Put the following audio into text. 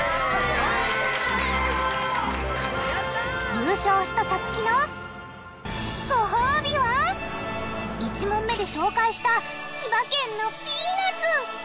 優勝したさつきのごほうびは１問目で紹介した千葉県のピーナツ。